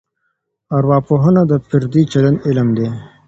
ارواپوهنه د فردي چلند علم دی.